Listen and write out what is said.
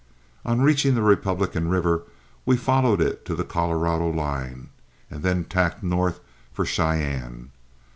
On reaching the Republican River, we followed it to the Colorado line, and then tacked north for Cheyenne.